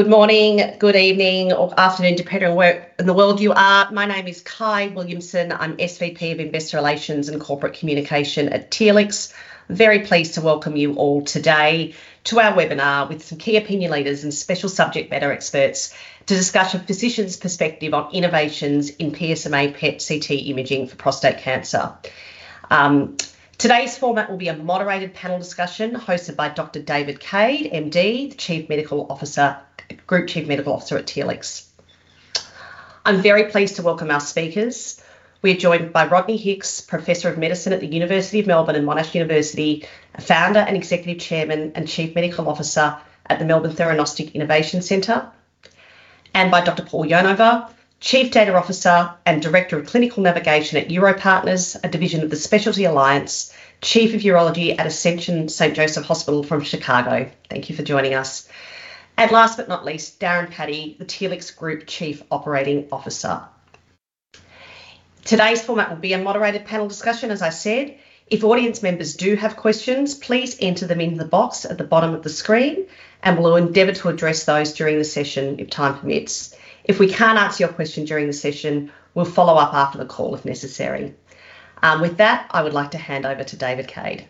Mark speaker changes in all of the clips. Speaker 1: Good morning, good evening or afternoon, depending on where in the world you are. My name is Kyahn Williamson. I'm SVP of Investor Relations and Corporate Communication at Telix. Very pleased to welcome you all today to our webinar with some key opinion leaders and special subject matter experts to discuss a physician's perspective on innovations in PSMA PET/CT imaging for prostate cancer. Today's format will be a moderated panel discussion hosted by Dr. David Cade, MD, the Group Chief Medical Officer at Telix. I'm very pleased to welcome our speakers. We're joined by Rodney Hicks, Professor of Medicine at the University of Melbourne and Monash University, Founder and Executive Chairman and Chief Medical Officer at the Melbourne Theranostic Innovation Centre. By Dr. Paul Yonover, Chief Data Officer and Director of Clinical Navigation at UroPartners, a division of the Specialty Networks, Chief of Urology at Ascension Saint Joseph - Chicago from Chicago. Thank you for joining us. Last but not least, Darren Patti, the Telix Group Chief Operating Officer. Today's format will be a moderated panel discussion, as I said. If audience members do have questions, please enter them into the box at the bottom of the screen, and we'll endeavor to address those during the session if time permits. If we can't answer your question during the session, we'll follow up after the call if necessary. With that, I would like to hand over to David Cade.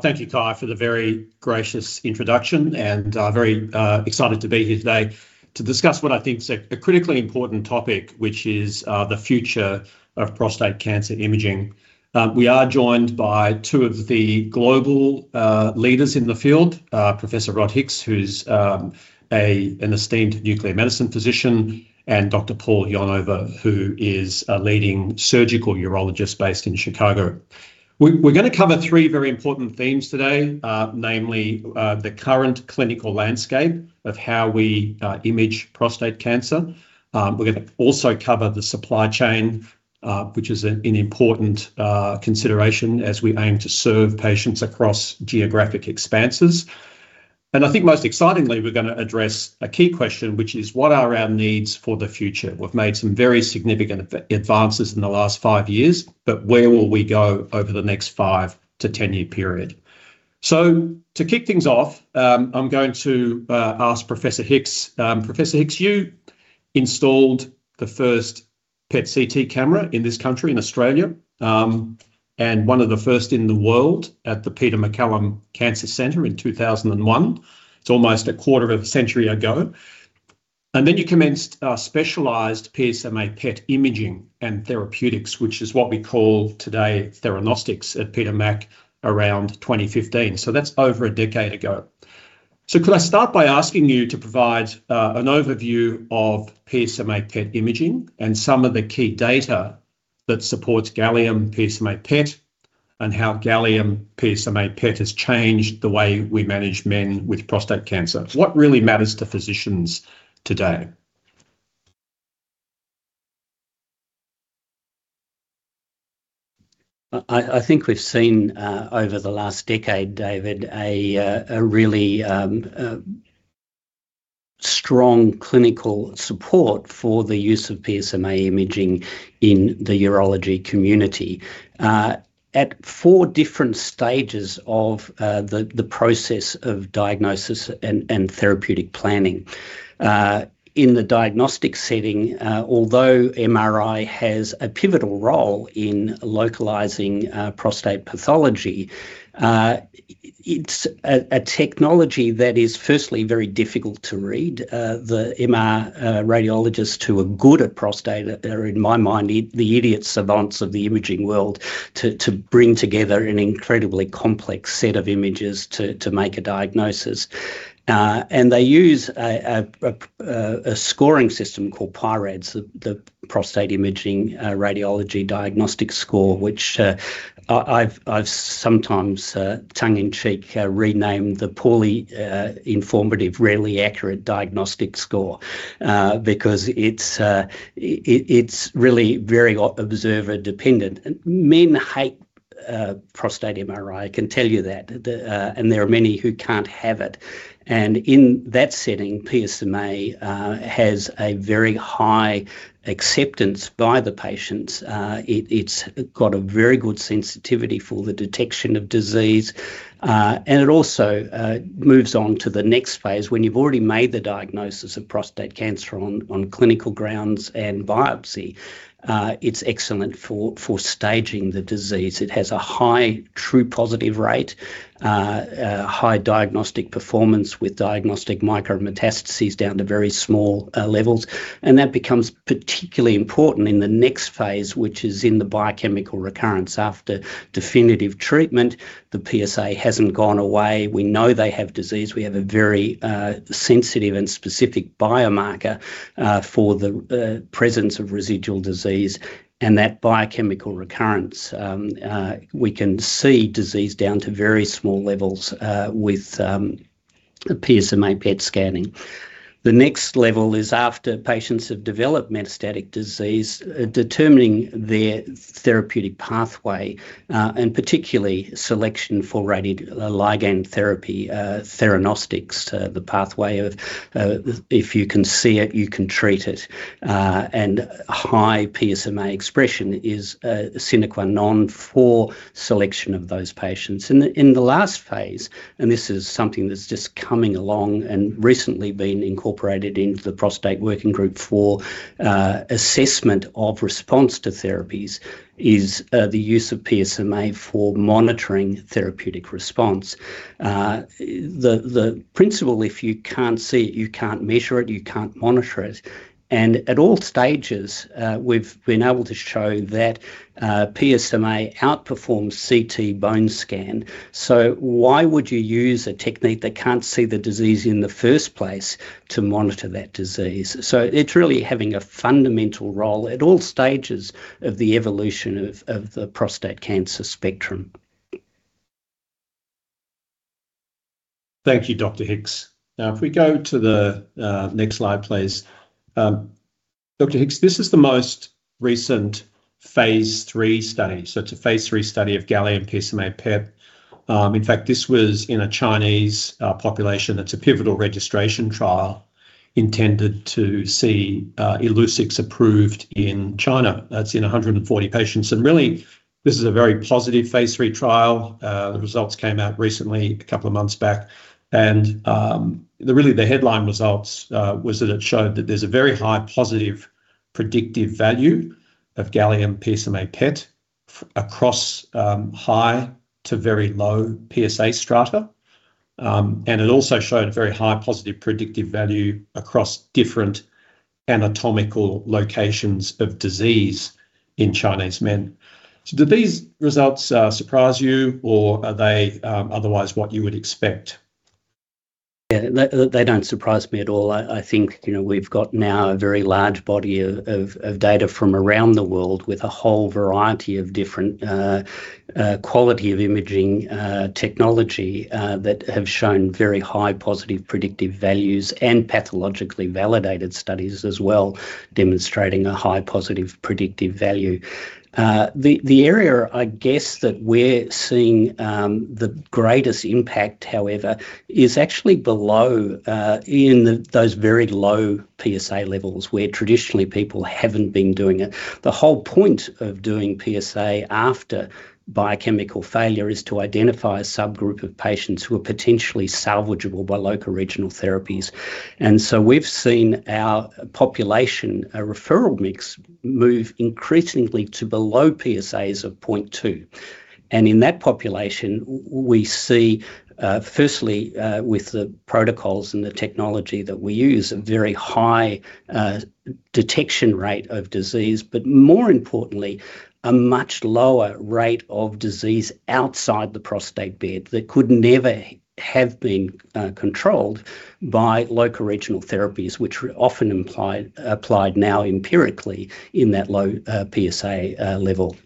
Speaker 2: Thank you, Kyahn, for the very gracious introduction, very excited to be here today to discuss what I think is a critically important topic, which is the future of prostate cancer imaging. We are joined by two of the global leaders in the field, Professor Rodney Hicks, who's an esteemed nuclear medicine physician, and Dr. Paul Yonover, who is a leading surgical urologist based in Chicago. We're gonna cover three very important themes today, namely, the current clinical landscape of how we image prostate cancer. We're gonna also cover the supply chain, which is an important consideration as we aim to serve patients across geographic expanses. I think most excitingly, we're gonna address a key question, which is: What are our needs for the future? We've made some very significant advances in the last five years. Where will we go over the next five- to 10-year period? To kick things off, I'm going to ask Professor Hicks. Professor Hicks, you installed the first PET/CT camera in this country, in Australia, and one of the first in the world at the Peter MacCallum Cancer Centre in 2001. It's almost a quarter of a century ago. You commenced specialized PSMA PET imaging and therapeutics, which is what we call today theranostics at Peter Mac around 2015. That's over a decade ago. Could I start by asking you to provide an overview of PSMA PET imaging and some of the key data that supports gallium PSMA PET and how gallium PSMA PET has changed the way we manage men with prostate cancer? What really matters to physicians today?
Speaker 3: I think we've seen over the last decade, David, a really strong clinical support for the use of PSMA imaging in the urology community at four different stages of the process of diagnosis and therapeutic planning. In the diagnostic setting, although MRI has a pivotal role in localizing prostate pathology, it's a technology that is firstly very difficult to read. The MR radiologists who are good at prostate, they're in my mind the idiot savants of the imaging world to bring together an incredibly complex set of images to make a diagnosis. They use a scoring system called PI-RADS, the Prostate Imaging Radiology Diagnostic Score, which I've sometimes tongue-in-cheek renamed the Poorly Informative Rarely Accurate Diagnostic Score, because it's really very observer dependent. Men hate prostate MRI, I can tell you that. There are many who can't have it. In that setting, PSMA has a very high acceptance by the patients. It's got a very good sensitivity for the detection of disease. It also moves on to the next phase. When you've already made the diagnosis of prostate cancer on clinical grounds and biopsy, it's excellent for staging the disease. It has a high true positive rate, high diagnostic performance with diagnostic micrometastases down to very small levels. That becomes particularly important in the next phase, which is in the biochemical recurrence after definitive treatment. The PSA hasn't gone away. We know they have disease. We have a very sensitive and specific biomarker for the presence of residual disease and that biochemical recurrence. We can see disease down to very small levels with PSMA PET scanning. The next level is after patients have developed metastatic disease, determining their therapeutic pathway, and particularly selection for ligand therapy, theranostics to the pathway of, if you can see it, you can treat it. High PSMA expression is the sine qua non for selection of those patients. In the last phase, this is something that's just coming along and recently been incorporated into the Prostate Working Group for assessment of response to therapies, is the use of PSMA for monitoring therapeutic response. The principle if you can't see it, you can't measure it, you can't monitor it. At all stages, we've been able to show that PSMA outperforms CT bone scan. Why would you use a technique that can't see the disease in the first place to monitor that disease? It's really having a fundamental role at all stages of the evolution of the prostate cancer spectrum.
Speaker 2: If we go to the next slide, please. Dr. Hicks, this is the most recent phase III study. It's a phase III study of gallium PSMA PET. In fact, this was in a Chinese population that's a pivotal registration trial intended to see Illuccix approved in China. That's in 140 patients. Really, this is a very positive phase III trial. The results came out recently, a couple of months back. The really, the headline results was that it showed that there's a very high positive predictive value of gallium PSMA PET across high to very low PSA strata. It also showed very high positive predictive value across different anatomical locations of disease in Chinese men. Do these results surprise you, or are they otherwise what you would expect?
Speaker 3: Yeah, they don't surprise me at all. I think, you know, we've got now a very large body of data from around the world with a whole variety of different quality of imaging technology that have shown very high positive predictive values and pathologically validated studies as well, demonstrating a high positive predictive value. The area I guess that we're seeing the greatest impact, however, is actually below in those very low PSA levels where traditionally people haven't been doing it. The whole point of doing PSA after biochemical failure is to identify a subgroup of patients who are potentially salvageable by local regional therapies. So we've seen our population, our referral mix move increasingly to below PSAs of 0.2. In that population, we see, firstly, with the protocols and the technology that we use, a very high detection rate of disease, but more importantly, a much lower rate of disease outside the prostate bed that could never have been controlled by local regional therapies, which are often applied now empirically in that low PSA level.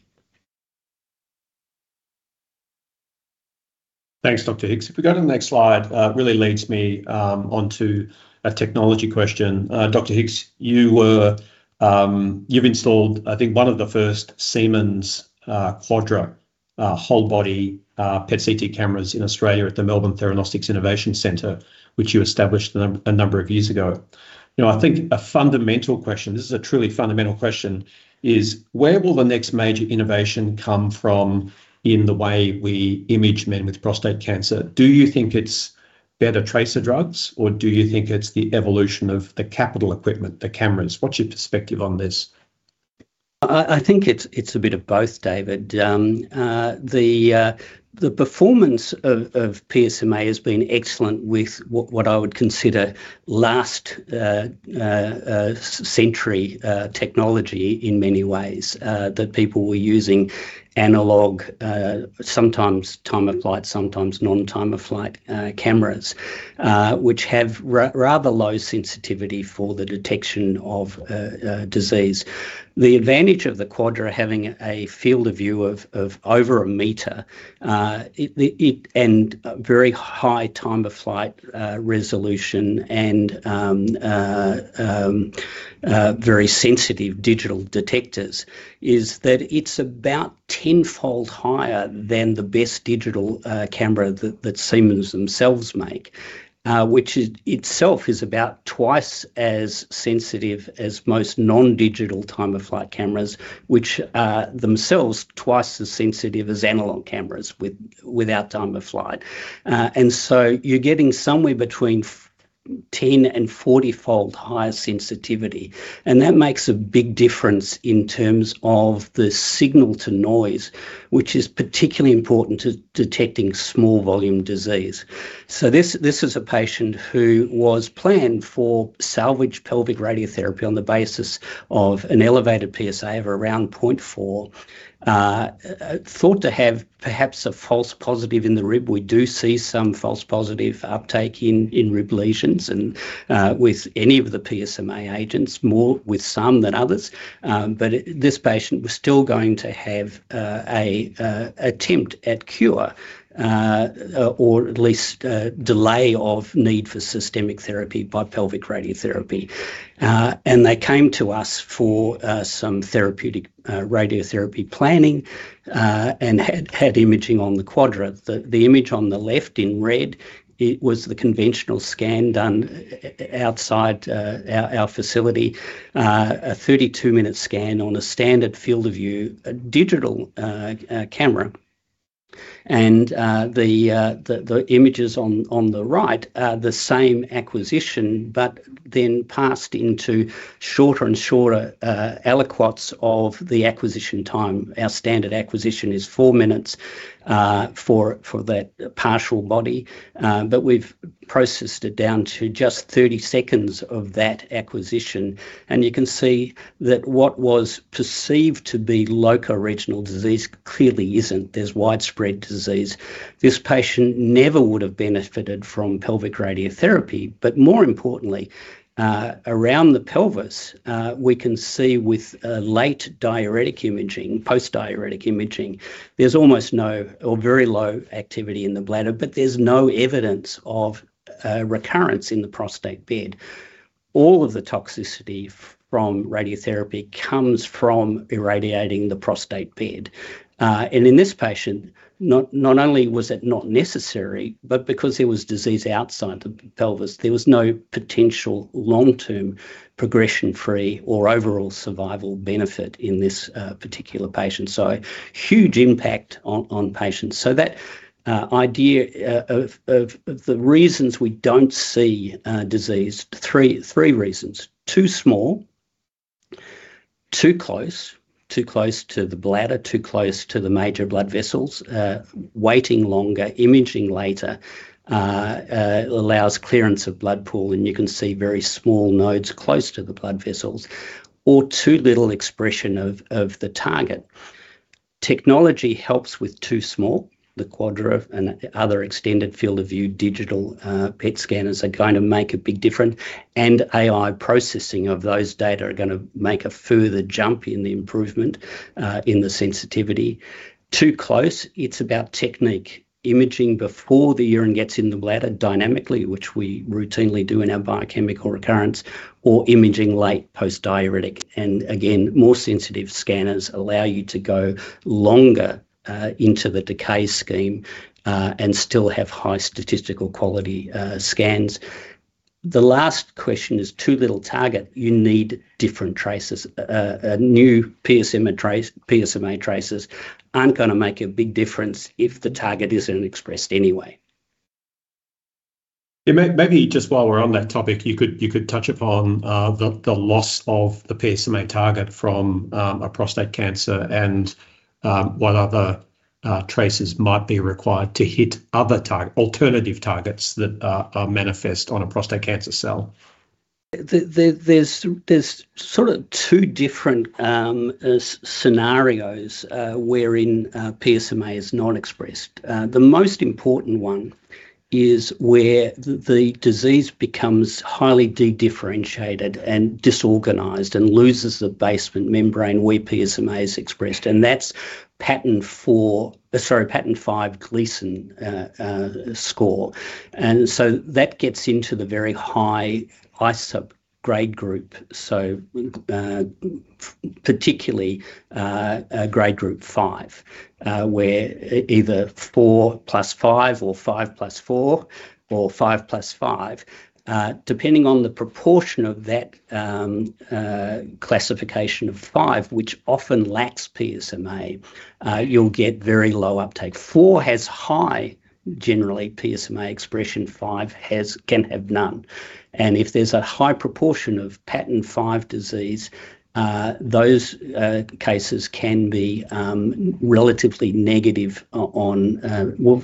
Speaker 2: Thanks, Dr. Hicks. If we go to the next slide, really leads me onto a technology question. Dr. Hicks, you were, you've installed, I think, one of the first Siemens Quadra whole body PET/CT cameras in Australia at the Melbourne Theranostic Innovation Centre, which you established a number of years ago. You know, I think a fundamental question, this is a truly fundamental question, is where will the next major innovation come from in the way we image men with prostate cancer? Do you think it's better tracer drugs, or do you think it's the evolution of the capital equipment, the cameras? What's your perspective on this?
Speaker 3: I think it's a bit of both, David. The performance of PSMA has been excellent with what I would consider last century technology in many ways that people were using analog sometimes time-of-flight, sometimes non time-of-flight cameras, which have rather low sensitivity for the detection of disease. The advantage of the Quadra having a field of view of over a meter and very high time-of-flight resolution and very sensitive digital detectors is that it's about tenfold higher than the best digital camera that Siemens themselves make. Which is, itself is about twice as sensitive as most non-digital time-of-flight cameras, which are themselves twice as sensitive as analog cameras without time-of-flight. You're getting somewhere between 10 and 40-fold higher sensitivity. That makes a big difference in terms of the signal-to-noise, which is particularly important to detecting small volume disease. This is a patient who was planned for salvage pelvic radiotherapy on the basis of an elevated PSA of around 0.4, thought to have perhaps a false positive in the rib. We do see some false positive uptake in rib lesions and with any of the PSMA agents, more with some than others. This patient was still going to have a attempt at cure or at least delay of need for systemic therapy by pelvic radiotherapy. They came to us for some therapeutic radiotherapy planning and had imaging on the Quadra. The image on the left in red, it was the conventional scan done outside our facility, a 32-minute scan on a standard field of view, a digital camera. The images on the right are the same acquisition, but then passed into shorter and shorter aliquots of the acquisition time. Our standard acquisition is four minutes for that partial body, but we've processed it down to just 30 seconds of that acquisition, you can see that what was perceived to be local regional disease clearly isn't. There's widespread disease. This patient never would have benefited from pelvic radiotherapy. More importantly, around the pelvis, we can see with a late diuretic imaging, post-diuretic imaging, there's almost no or very low activity in the bladder, but there's no evidence of recurrence in the prostate bed. All of the toxicity from radiotherapy comes from irradiating the prostate bed. In this patient, not only was it not necessary, but because there was disease outside the pelvis, there was no potential long-term progression-free or overall survival benefit in this particular patient. Huge impact on patients. That idea of the reasons we don't see disease, three reasons: too small, too close to the bladder, too close to the major blood vessels, waiting longer, imaging later, allows clearance of blood pool, and you can see very small nodes close to the blood vessels, or too little expression of the target. Technology helps with too small. The Quadra and other extended field of view digital PET scanners are going to make a big difference, and AI processing of those data are gonna make a further jump in the improvement in the sensitivity. Too close, it's about technique. Imaging before the urine gets in the bladder dynamically, which we routinely do in our biochemical recurrence, or imaging late post-diuretic. Again, more sensitive scanners allow you to go longer into the decay scheme and still have high statistical quality scans. The last question is too little target. You need different tracers. New PSMA tracers aren't gonna make a big difference if the target isn't expressed anyway.
Speaker 2: Yeah. Maybe just while we're on that topic, you could touch upon the loss of the PSMA target from a prostate cancer and what other tracers might be required to hit other alternative targets that are manifest on a prostate cancer cell.
Speaker 3: The there's sort of two different scenarios wherein PSMA is not expressed. The most important one is where the disease becomes highly dedifferentiated and disorganized and loses the basement membrane where PSMA is expressed, and that's pattern f4 sorry, pattern 5 Gleason score. That gets into the very high ISUP Grade Group, particularly grade group 5, where either 4 + 5 or 5 + 4 or 5 + 5. Depending on the proportion of that classification of 5, which often lacks PSMA, you'll get very low uptake. 4 has high, generally, PSMA expression. 5 can have none. If there's a high proportion of pattern 5 disease, those cases can be relatively negative on, well,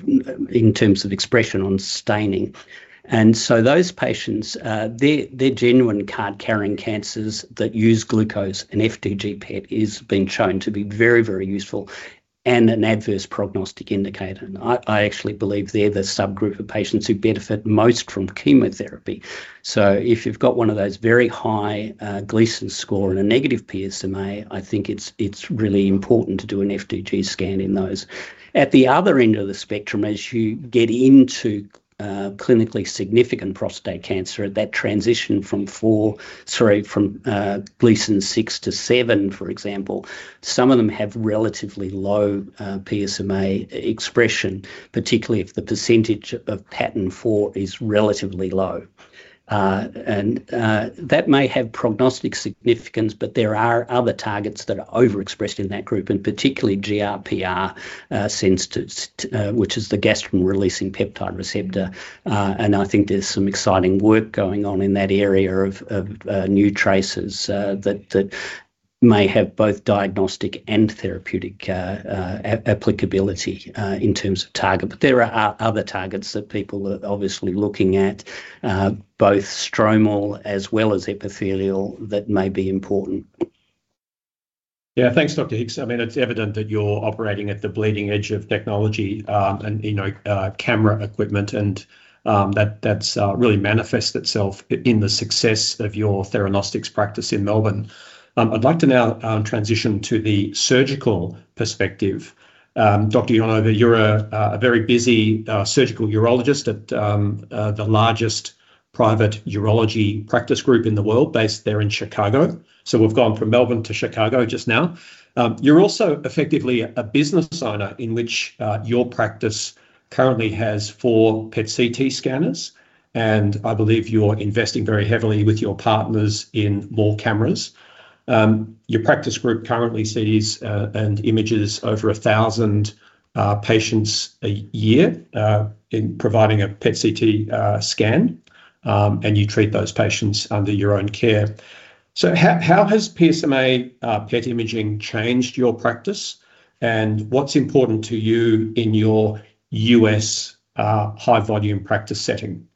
Speaker 3: in terms of expression on staining. Those patients, they're genuine CAR T-cell-carrying cancers that use glucose, and FDG PET is been shown to be very, very useful and an adverse prognostic indicator. I actually believe they're the subgroup of patients who benefit most from chemotherapy. If you've got one of those very high Gleason score and a negative PSMA, I think it's really important to do an FDG scan in those. At the other end of the spectrum, as you get into clinically significant prostate cancer at that transition from Gleason 6 to 7, for example, some of them have relatively low PSMA e-expression, particularly if the percentage of pattern 4 is relatively low. That may have prognostic significance, but there are other targets that are overexpressed in that group, particularly GRPR, which is the gastrin-releasing peptide receptor. I think there's some exciting work going on in that area of new tracers that may have both diagnostic and therapeutic applicability in terms of target. There are other targets that people are obviously looking at, both stromal as well as epithelial that may be important.
Speaker 2: Yeah. Thanks, Dr. Hicks. I mean, it's evident that you're operating at the bleeding edge of technology, and, you know, camera equipment and that's really manifests itself in the success of your theranostics practice in Melbourne. I'd like to now transition to the surgical perspective. Dr. Yonover, you're a very busy surgical urologist at the largest private urology practice group in the world based there in Chicago. We've gone from Melbourne to Chicago just now. You're also effectively a business owner in which your practice currently has four PET CT scanners, and I believe you're investing very heavily with your partners in more cameras. Your practice group currently sees and images over 1,000 patients a year in providing a PET CT scan, and you treat those patients under your own care. How, how has PSMA PET imaging changed your practice, and what's important to you in your U.S. high-volume practice setting?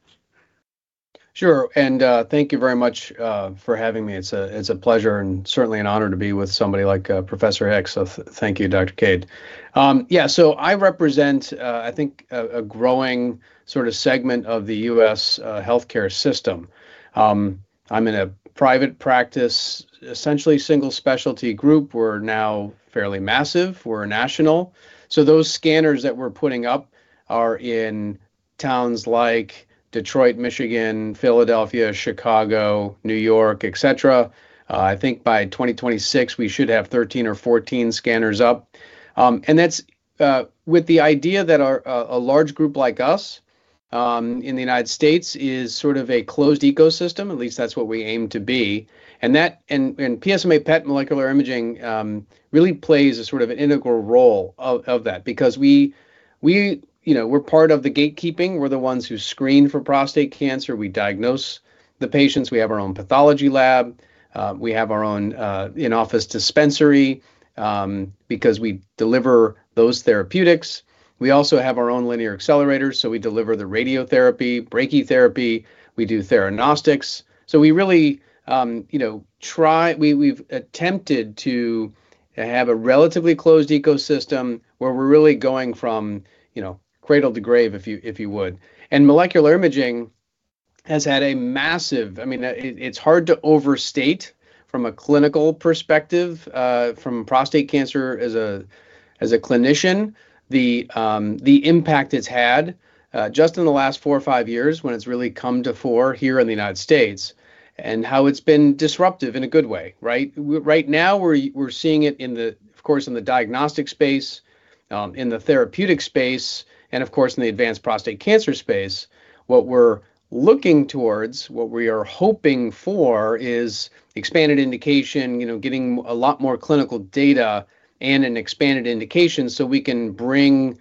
Speaker 4: Sure. Thank you very much for having me. It's a pleasure and certainly an honor to be with somebody like Professor Hicks. Thank you, Dr. Cade. I represent I think a growing sort of segment of the U.S. healthcare system. I'm in a private practice, essentially single specialty group. We're now fairly massive. We're a national. Those scanners that we're putting up are in towns like Detroit, Michigan, Philadelphia, Chicago, New York, et cetera. I think by 2026, we should have 13 or 14 scanners up. That's with the idea that our large group like us in the United States is sort of a closed ecosystem, at least that's what we aim to be. In PSMA PET molecular imaging really plays a sort of an integral role of that because we, you know, we're part of the gatekeeping. We're the ones who screen for prostate cancer. We diagnose the patients. We have our own pathology lab. We have our own in-office dispensary because we deliver those therapeutics. We also have our own linear accelerators, so we deliver the radiotherapy, brachytherapy. We do theranostics. We really, you know, we've attempted to have a relatively closed ecosystem where we're really going from, you know, cradle to grave, if you would. Molecular imaging has had a massive. I mean, it's hard to overstate from a clinical perspective, from prostate cancer as a clinician, the impact it's had just in the last four or five years when it's really come to fore here in the United States, and how it's been disruptive in a good way, right? Right now we're seeing it in the, of course, in the diagnostic space, in the therapeutic space, and of course, in the advanced prostate cancer space. What we're looking towards, what we are hoping for is expanded indication, you know, getting a lot more clinical data and an expanded indication so we can bring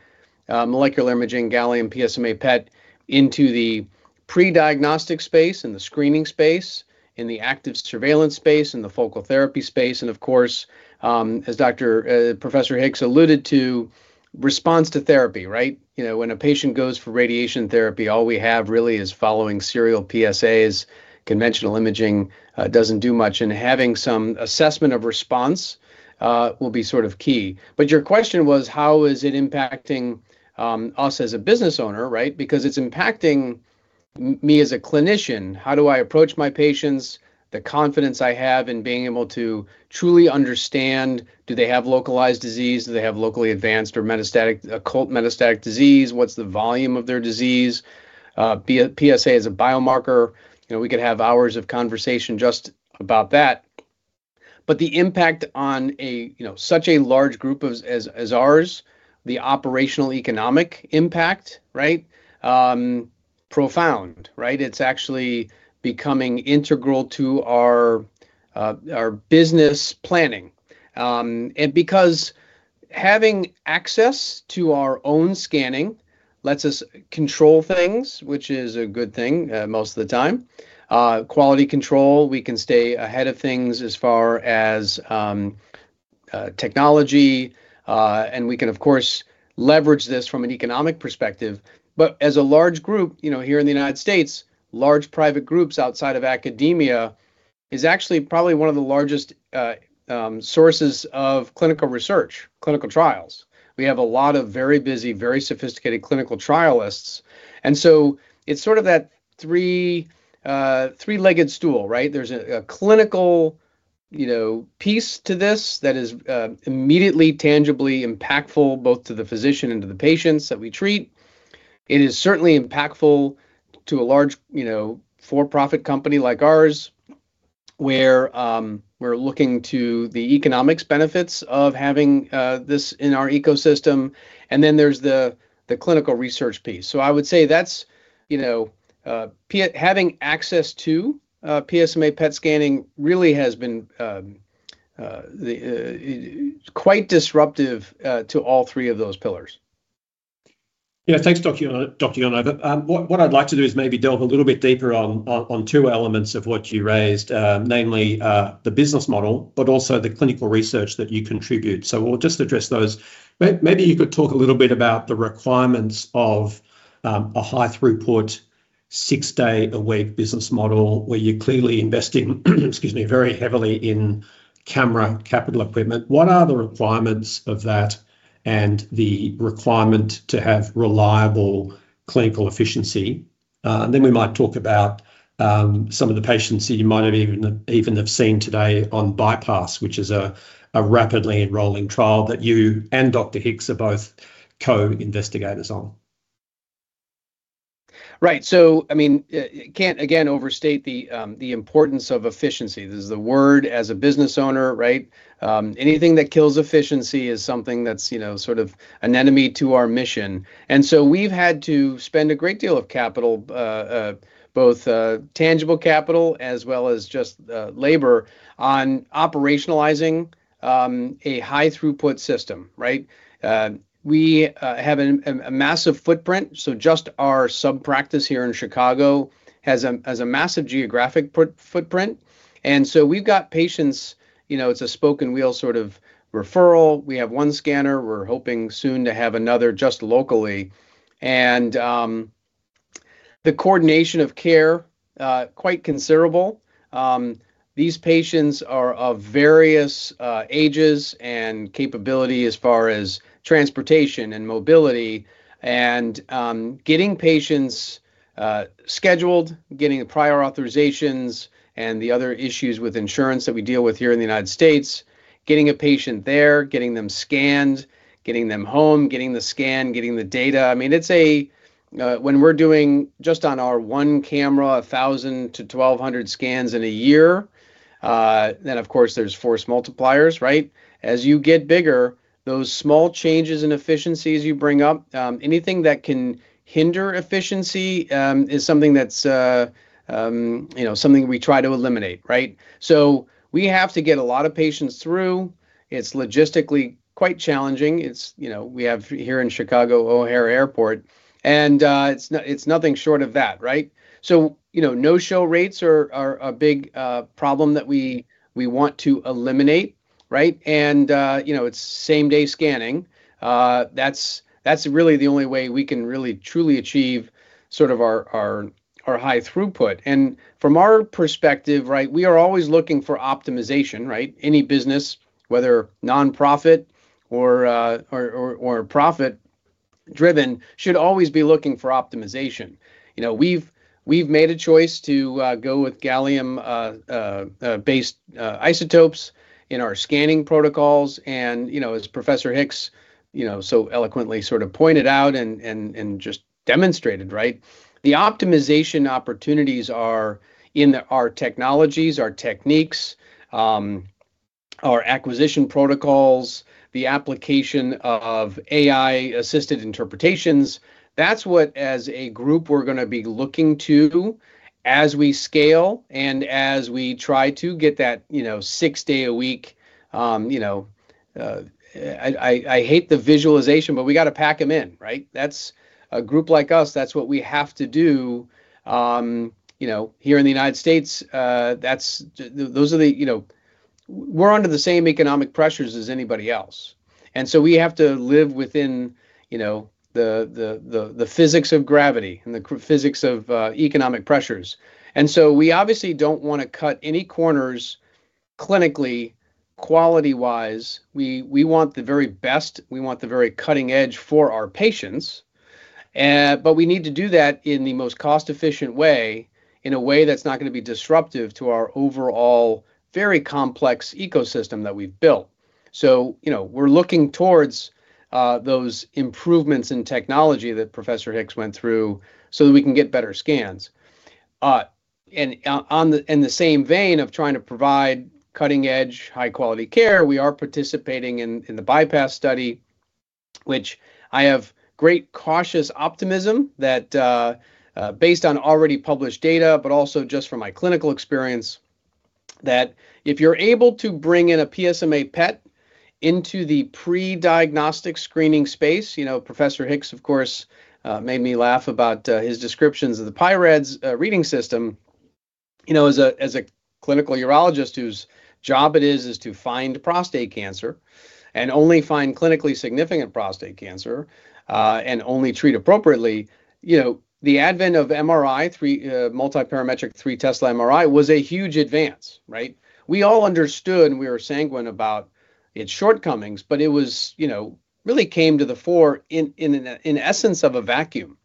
Speaker 4: molecular imaging gallium PSMA PET into the pre-diagnostic space and the screening space, in the active surveillance space, in the focal therapy space, and of course, as Professor Hicks alluded to, response to therapy, right? You know, when a patient goes for radiation therapy, all we have really is following serial PSAs. Conventional imaging doesn't do much. Having some assessment of response will be sort of key. Your question was how is it impacting us as a business owner, right? Because it's impacting me as a clinician. How do I approach my patients, the confidence I have in being able to truly understand, do they have localized disease? Do they have locally advanced or metastatic, occult metastatic disease? What's the volume of their disease? P-PSA as a biomarker. You know, we could have hours of conversation just about that. The impact on a, you know, such a large group as ours, the operational economic impact, right? Profound, right? It's actually becoming integral to our business planning. Because having access to our own scanning lets us control things, which is a good thing, most of the time. Quality control, we can stay ahead of things as far as technology, and we can of course leverage this from an economic perspective. As a large group, you know, here in the United States, large private groups outside of academia is actually probably one of the largest sources of clinical research, clinical trials. We have a lot of very busy, very sophisticated clinical trialists. It's sort of that three-legged stool, right? There's a clinical, you know, piece to this that is immediately tangibly impactful both to the physician and to the patients that we treat. It is certainly impactful to a large, you know, for-profit company like ours where we're looking to the economics benefits of having this in our ecosystem. There's the clinical research piece. I would say that's, you know, having access to PSMA PET scanning really has been quite disruptive to all three of those pillars.
Speaker 2: Yeah. Thanks, Dr. Yonover. What I'd like to do is maybe delve a little bit deeper on two elements of what you raised, namely, the business model, but also the clinical research that you contribute. We'll just address those. Maybe you could talk a little bit about the requirements of a high-throughput, six-day-a-week business model where you're clearly investing, excuse me, very heavily in camera capital equipment. What are the requirements of that and the requirement to have reliable clinical efficiency? We might talk about some of the patients that you might have even seen today on BYPASS, which is a rapidly enrolling trial that you and Dr. Hicks are both co-investigators on.
Speaker 4: I mean, you can't again overstate the importance of efficiency. This is the word as a business owner, right? Anything that kills efficiency is something that's, you know, sort of an enemy to our mission. We've had to spend a great deal of capital, both tangible capital as well as just labor on operationalizing a high-throughput system, right? We have a massive footprint. Just our sub-practice here in Chicago has a massive geographic footprint. We've got patients, you know, it's a spoke and wheel sort of referral. We have one scanner. We're hoping soon to have another just locally. The coordination of care, quite considerable. These patients are of various ages and capability as far as transportation and mobility and getting patients scheduled, getting the prior authorizations and the other issues with insurance that we deal with here in the United States, getting a patient there, getting them scanned, getting them home, getting the scan, getting the data. I mean, when we're doing just on our one camera, 1,000-1,200 scans in a year, then of course there's force multipliers, right? As you get bigger, those small changes in efficiencies you bring up, anything that can hinder efficiency, is something that's, you know, something we try to eliminate, right? We have to get a lot of patients through. It's logistically quite challenging. It's, you know, we have here in Chicago O'Hare Airport, and it's nothing short of that, right? You know, no-show rates are a big problem that we want to eliminate, right? You know, it's same-day scanning. That's really the only way we can really truly achieve sort of our high throughput. From our perspective, right, we are always looking for optimization, right? Any business, whether non-profit or profit-driven, should always be looking for optimization. You know, we've made a choice to go with gallium based isotopes in our scanning protocols. You know, as Professor Hicks, you know, so eloquently sort of pointed out and just demonstrated, right? The optimization opportunities are in our technologies, our techniques, our acquisition protocols, the application of AI-assisted interpretations. That's what as a group we're gonna be looking to as we scale and as we try to get that, you know, six day a week, you know. I hate the visualization, but we gotta pack them in, right? That's a group like us, that's what we have to do. You know, here in the United States, those are the, you know. We're under the same economic pressures as anybody else. We have to live within, you know, the physics of gravity and the physics of economic pressures. We obviously don't wanna cut any corners clinically, quality-wise. We want the very best, we want the very cutting edge for our patients. We need to do that in the most cost-efficient way, in a way that's not gonna be disruptive to our overall very complex ecosystem that we've built. You know, we're looking towards those improvements in technology that Professor Hicks went through so that we can get better scans. And in the same vein of trying to provide cutting-edge, high-quality care, we are participating in the BYPASS study, which I have great cautious optimism that, based on already published data, but also just from my clinical experience, that if you're able to bring in a PSMA PET into the pre-diagnostic screening space. You know, Professor Hicks, of course, made me laugh about his descriptions of the PI-RADS reading system. You know, as a clinical urologist whose job it is to find prostate cancer and only find clinically significant prostate cancer, and only treat appropriately, you know, the advent of MRI 3 multiparametric three-tesla MRI was a huge advance, right? We all understood and we were sanguine about its shortcomings, but it was, you know, really came to the fore in essence of a vacuum.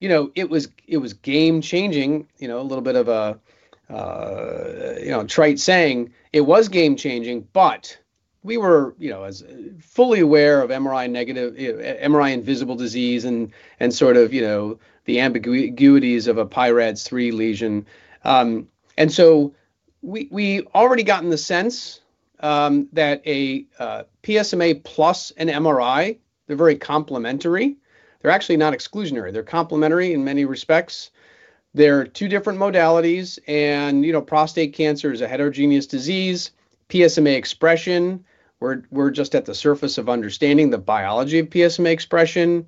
Speaker 4: You know, it was game changing, you know, a little bit of a, you know, trite saying, it was game changing, but we were, you know, fully aware of MRI negative, MRI invisible disease and sort of, you know, the ambiguities of a PI-RADS 3 lesion. So we already gotten the sense that a PSMA plus an MRI, they're very complementary. They're actually not exclusionary. They're complementary in many respects. They're two different modalities, and, you know, prostate cancer is a heterogeneous disease. PSMA expression, we're just at the surface of understanding the biology of PSMA expression.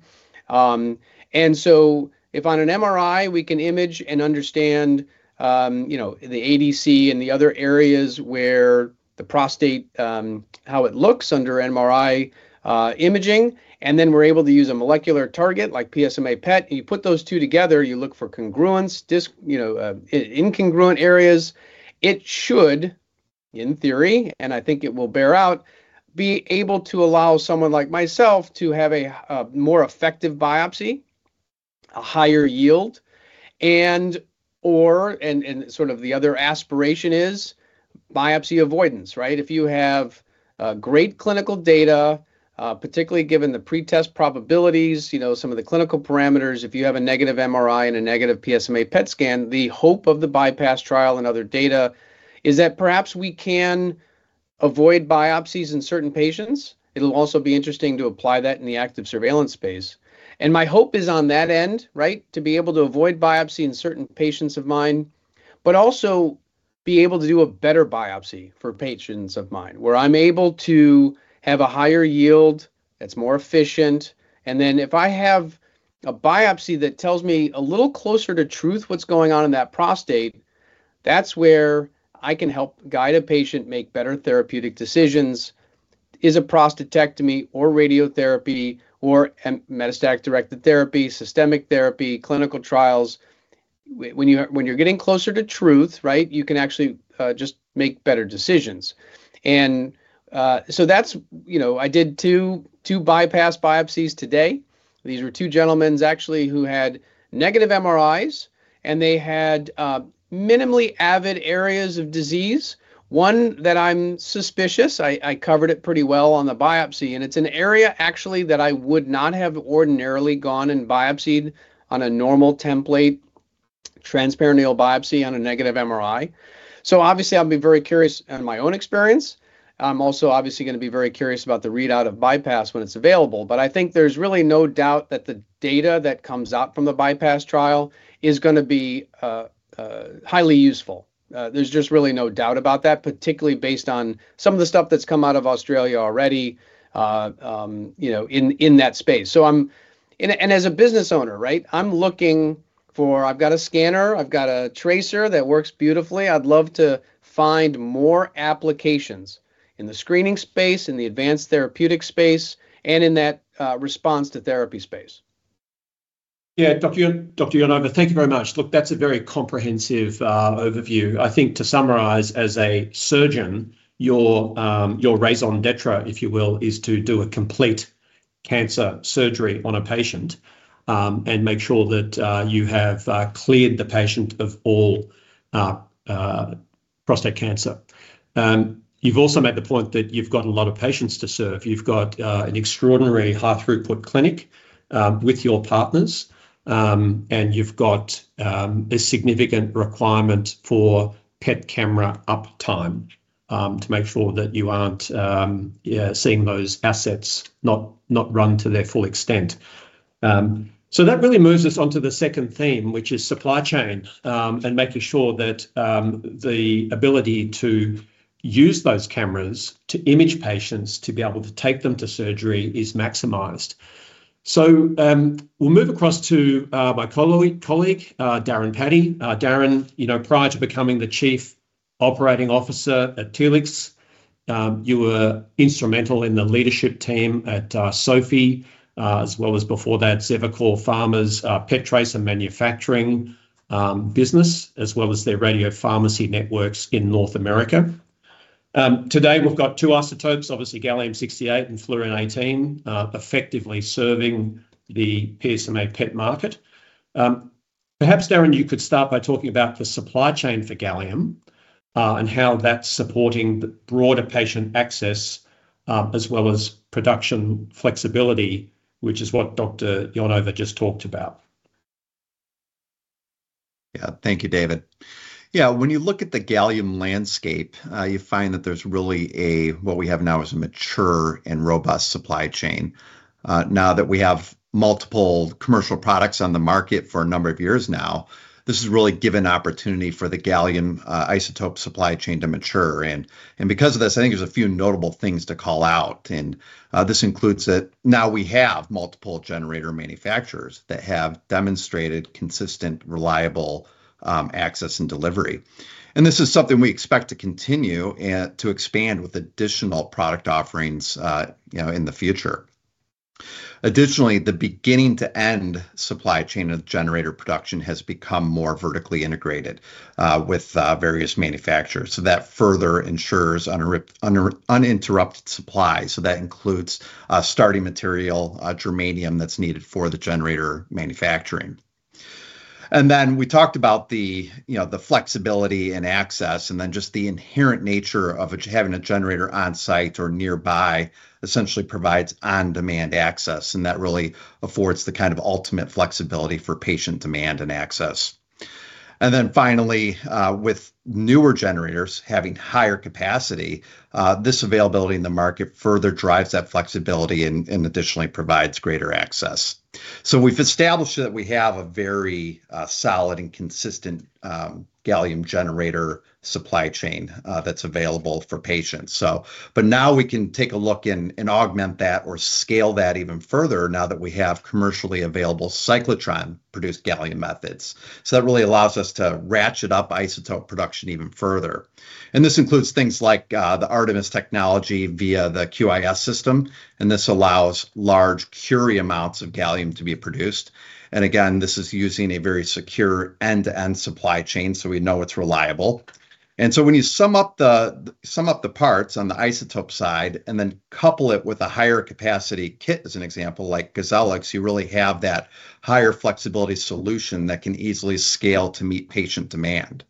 Speaker 4: If on an MRI we can image and understand, you know, the ADC and the other areas where the prostate, how it looks under MRI imaging, and then we're able to use a molecular target like PSMA PET, and you put those two together, you look for congruence, you know, in congruent areas, it should, in theory, and I think it will bear out, be able to allow someone like myself to have a more effective biopsy, a higher yield, and/or and sort of the other aspiration is biopsy avoidance, right? If you have great clinical data, particularly given the pretest probabilities, you know, some of the clinical parameters, if you have a negative MRI and a negative PSMA PET scan, the hope of the BYPASS trial and other data is that perhaps we can avoid biopsies in certain patients. It'll also be interesting to apply that in the active surveillance space. My hope is on that end, right, to be able to avoid biopsy in certain patients of mine, but also be able to do a better biopsy for patients of mine, where I'm able to have a higher yield that's more efficient. If I have a biopsy that tells me a little closer to truth what's going on in that prostate, that's where I can help guide a patient make better therapeutic decisions. Is a prostatectomy or radiotherapy or an metastatic-directed therapy, systemic therapy, clinical trials. When you, when you're getting closer to truth, right, you can actually, just make better decisions. So that's, you know. I did two BYPASS biopsies today. These were two gentlemens actually who had negative MRIs, and they had, minimally avid areas of disease. One that I'm suspicious, I covered it pretty well on the biopsy, and it's an area actually that I would not have ordinarily gone and biopsied on a normal template transperineal biopsy on a negative MRI. Obviously, I'll be very curious on my own experience. I'm also obviously gonna be very curious about the readout of BYPASS when it's available. I think there's really no doubt that the data that comes out from the BYPASS trial is gonna be, highly useful. There's just really no doubt about that, particularly based on some of the stuff that's come out of Australia already, you know, in that space. As a business owner, right, I'm looking for. I've got a scanner, I've got a tracer that works beautifully. I'd love to find more applications in the screening space, in the advanced therapeutic space, and in that, response to therapy space.
Speaker 2: Yeah. Dr. Yonover, thank you very much. Look, that's a very comprehensive overview. I think to summarize, as a surgeon, your raison d'être, if you will, is to do a complete cancer surgery on a patient and make sure that you have cleared the patient of all prostate cancer. You've also made the point that you've got a lot of patients to serve. You've got an extraordinary high throughput clinic with your partners and you've got a significant requirement for PET camera uptime to make sure that you aren't, yeah, seeing those assets not run to their full extent. That really moves us onto the second theme, which is supply chain, and making sure that the ability to use those cameras to image patients to be able to take them to surgery is maximized. We'll move across to my colleague, Darren Patti. Darren, you know, prior to becoming the Chief Operating Officer at Telix, you were instrumental in the leadership team at SOFIE, as well as before that, Zevacor Pharma, PET tracer manufacturing business, as well as their radiopharmacy networks in North America. Today we've got two isotopes, obviously gallium-68 and fluorine-18, effectively serving the PSMA PET market. Perhaps, Darren, you could start by talking about the supply chain for gallium, and how that's supporting the broader patient access, as well as production flexibility, which is what Dr. Yonover just talked about.
Speaker 5: Thank you, David. When you look at the gallium landscape, you find that there's really what we have now is a mature and robust supply chain. Now that we have multiple commercial products on the market for a number of years now, this has really given opportunity for the gallium isotope supply chain to mature. Because of this, I think there's a few notable things to call out. This includes that now we have multiple generator manufacturers that have demonstrated consistent, reliable access and delivery. This is something we expect to continue and to expand with additional product offerings, you know, in the future. Additionally, the beginning to end supply chain of generator production has become more vertically integrated with various manufacturers, so that further ensures uninterrupted supply. That includes starting material, germanium that's needed for the generator manufacturing. Then we talked about the, you know, the flexibility and access, and then just the inherent nature of having a generator on-site or nearby essentially provides on-demand access, and that really affords the kind of ultimate flexibility for patient demand and access. Finally, with newer generators having higher capacity, this availability in the market further drives that flexibility and additionally provides greater access. We've established that we have a very solid and consistent gallium generator supply chain that's available for patients. Now we can take a look and augment that or scale that even further now that we have commercially available cyclotron-produced gallium methods. That really allows us to ratchet up isotope production even further. This includes things like the ARTMS technology via the QIS system, and this allows large curie amounts of gallium to be produced. Again, this is using a very secure end-to-end supply chain, so we know it's reliable. When you sum up the parts on the isotope side and then couple it with a higher capacity kit, as an example, like Gozellix, you really have that higher flexibility solution that can easily scale to meet patient demand.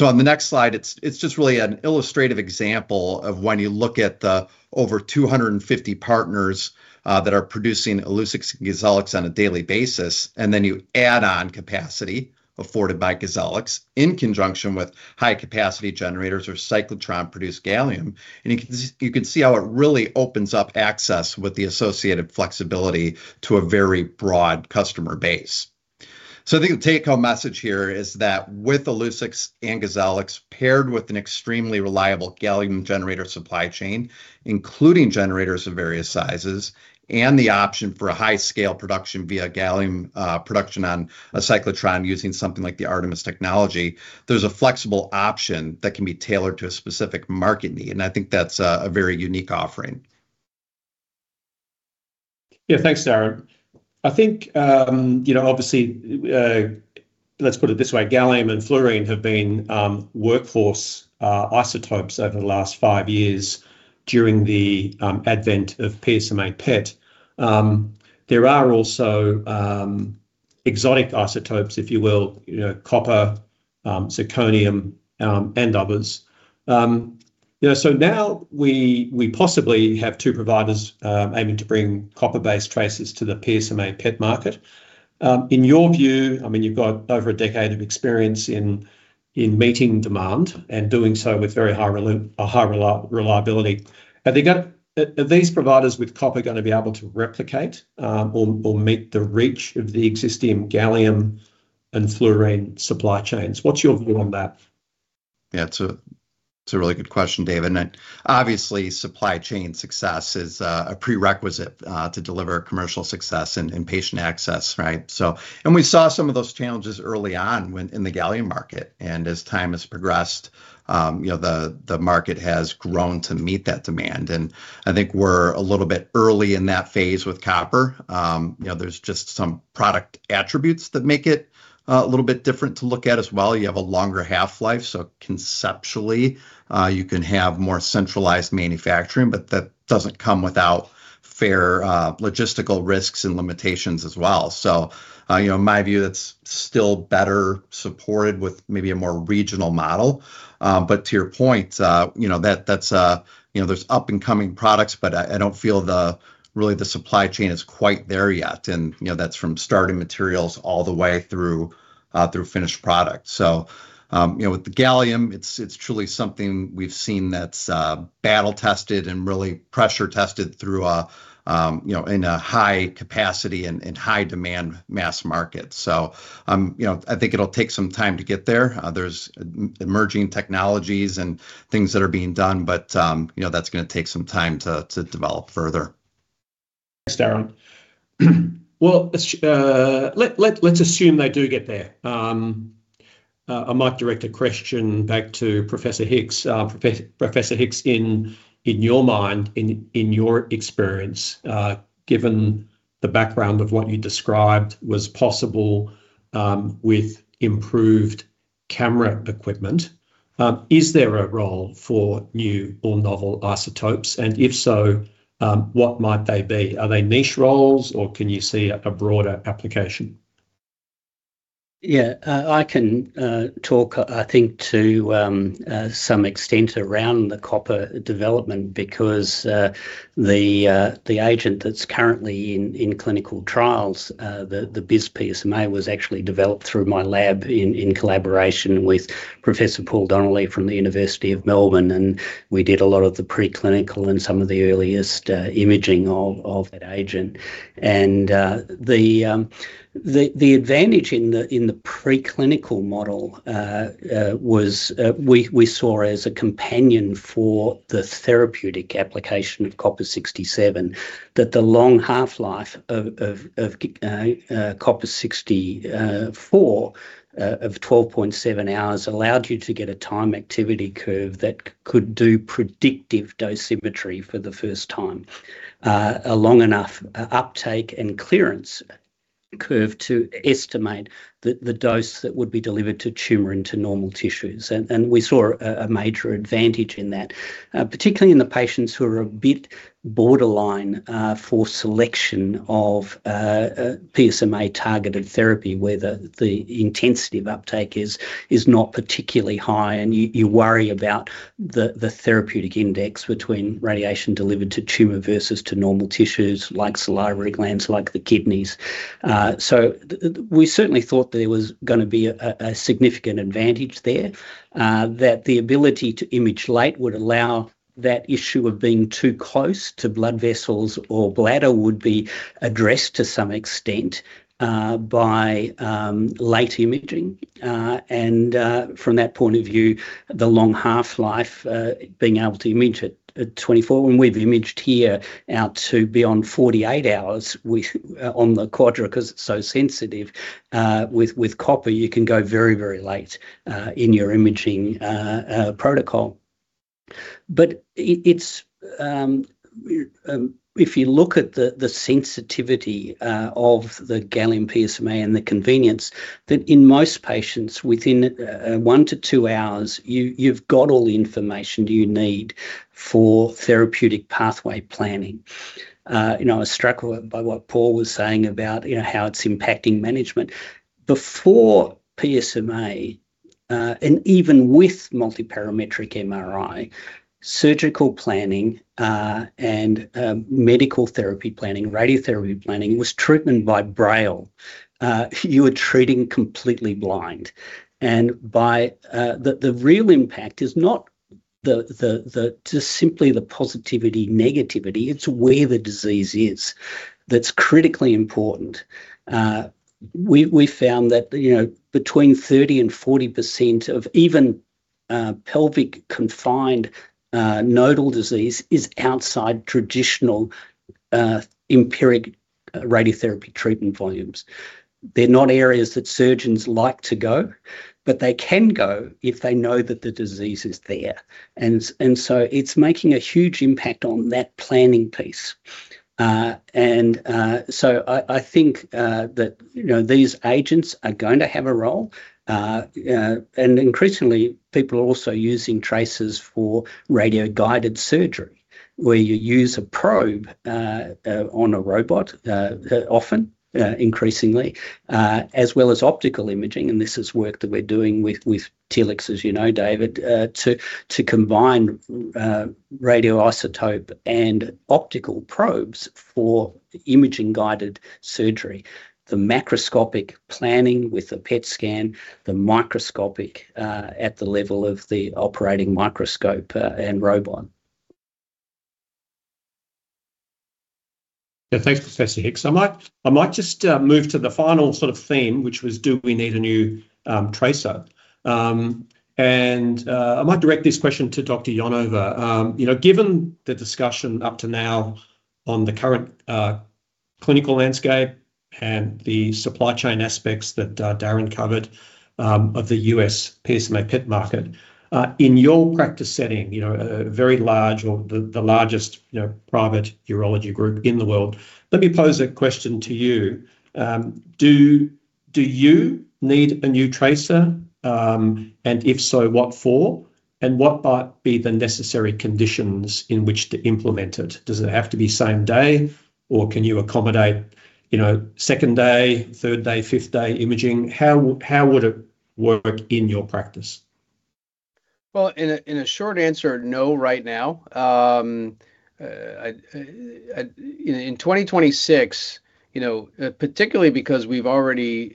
Speaker 5: On the next slide, it's just really an illustrative example of when you look at the over 250 partners that are producing Illuccix and Gozellix on a daily basis, and then you add on capacity afforded by Gozellix in conjunction with high-capacity generators or cyclotron-produced gallium. You can see how it really opens up access with the associated flexibility to a very broad customer base. I think the take-home message here is that with Illuccix and Gozellix paired with an extremely reliable gallium generator supply chain, including generators of various sizes and the option for a high-scale production via gallium production on a cyclotron using something like the ARTMS technology, there's a flexible option that can be tailored to a specific market need, and I think that's a very unique offering.
Speaker 2: Yeah. Thanks, Darren. I think, you know, obviously, let's put it this way, gallium and fluorine have been workhorse isotopes over the last five years during the advent of PSMA PET. There are also exotic isotopes, if you will, you know, copper, zirconium, and others. Now we possibly have two providers aiming to bring copper-based tracers to the PSMA PET market. In your view, I mean, you've got over a decade of experience in meeting demand and doing so with very high reliability. Are these providers with copper gonna be able to replicate or meet the reach of the existing gallium and fluorine supply chains? What's your view on that?
Speaker 5: Yeah. It's a, it's a really good question, David, and obviously supply chain success is a prerequisite to deliver commercial success and patient access, right? We saw some of those challenges early on when in the gallium market. As time has progressed, you know, the market has grown to meet that demand. I think we're a little bit early in that phase with copper. You know, there's just some product attributes that make it a little bit different to look at as well. You have a longer half-life, so conceptually, you can have more centralized manufacturing, but that doesn't come without fair logistical risks and limitations as well. You know, in my view, that's still better supported with maybe a more regional model. To your point, you know, that's, you know, there's up-and-coming products, but I don't feel the really the supply chain is quite there yet. You know, that's from starting materials all the way through finished product. You know, with the gallium, it's truly something we've seen that's battle-tested and really pressure-tested through a, you know, in a high capacity and high demand mass market. You know, I think it'll take some time to get there. There's emerging technologies and things that are being done, but, you know, that's gonna take some time to develop further.
Speaker 2: Thanks, Darren. Let's assume they do get there. I might direct a question back to Professor Hicks. Professor Hicks, in your mind, in your experience, given the background of what you described was possible, with improved camera equipment, is there a role for new or novel isotopes? If so, what might they be? Are they niche roles or can you see a broader application?
Speaker 3: Yeah. I can talk I think to some extent around the copper development because the agent that's currently in clinical trials, the bis-PSMA, was actually developed through my lab in collaboration with Professor Paul Donnelly from the University of Melbourne. We did a lot of the preclinical and some of the earliest imaging of that agent. The advantage in the preclinical model was we saw as a companion for the therapeutic application of copper-67 that the long half-life of copper-64 of 12.7 hours allowed you to get a time activity curve that could do predictive dosimetry for the first time. a long enough uptake and clearance curve to estimate the dose that would be delivered to tumor into normal tissues. We saw a major advantage in that, particularly in the patients who are a bit borderline for selection of a PSMA-targeted therapy where the intensity of uptake is not particularly high, and you worry about the therapeutic index between radiation delivered to tumor versus to normal tissues like salivary glands, like the kidneys. We certainly thought there was gonna be a significant advantage there, that the ability to image late would allow that issue of being too close to blood vessels or bladder would be addressed to some extent, by late imaging. From that point of view, the long half-life, being able to image at 24, and we've imaged here out to beyond 48 hours on the Quadra 'cause it's so sensitive. With copper, you can go very, very late in your imaging protocol. It's, if you look at the sensitivity of the gallium PSMA and the convenience, that in most patients within one to two hours, you've got all the information you need for therapeutic pathway planning. You know, I was struck by what Paul was saying about, you know, how it's impacting management. Before PSMA, and even with multiparametric MRI, surgical planning, and medical therapy planning, radiotherapy planning was treatment by braille. You were treating completely blind. By not just simply the positivity, negativity, it's where the disease is that's critically important. We found that, you know, between 30% and 40% of even pelvic confined nodal disease is outside traditional empiric radiotherapy treatment volumes. They're not areas that surgeons like to go, but they can go if they know that the disease is there. So it's making a huge impact on that planning piece. And so I think that, you know, these agents are going to have a role. Increasingly, people are also using tracers for radio-guided surgery, where you use a probe, on a robot, often, increasingly, as well as optical imaging, and this is work that we're doing with Telix, as you know, David, to combine radioisotope and optical probes for imaging-guided surgery. The macroscopic planning with the PET scan, the microscopic, at the level of the operating microscope and robot.
Speaker 2: Yeah. Thanks, Professor Hicks. I might just move to the final sort of theme, which was do we need a new tracer? I might direct this question to Dr. Yonover. You know, given the discussion up to now on the current clinical landscape and the supply chain aspects that Darren covered of the U.S. PSMA PET market. In your practice setting, you know, very large or the largest, you know, private urology group in the world, let me pose a question to you. Do you need a new tracer? If so, what for? And what might be the necessary conditions in which to implement it? Does it have to be same day, or can you accommodate, you know, second day, third day, fifth day imaging? How would it work in your practice?
Speaker 4: Well, in a short answer, no, right now. In 2026, you know, particularly because we've already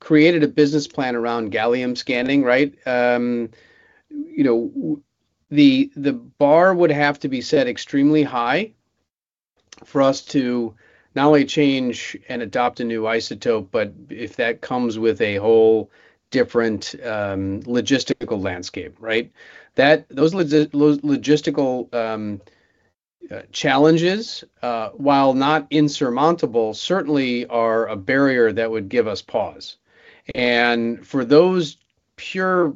Speaker 4: created a business plan around gallium scanning, right? You know, the bar would have to be set extremely high for us to not only change and adopt a new isotope, but if that comes with a whole different logistical landscape, right? Those logistical challenges, while not insurmountable, certainly are a barrier that would give us pause. For those pure,